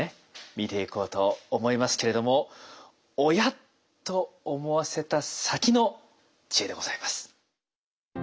見ていこうと思いますけれども「おや？」と思わせた先の知恵でございます。